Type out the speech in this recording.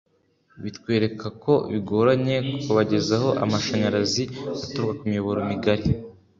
bitwereka ko bigoranye kubagezaho amashanyarazi aturuka ku miyoboro migari